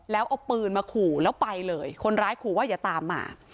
แล้วเอาปืนมาขู่แล้วไปเลยคนร้ายขู่ว่าอย่าตามมา